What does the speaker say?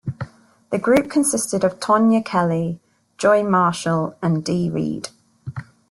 The group consisted of Tonya Kelly, Joi Marshall, and Di Reed.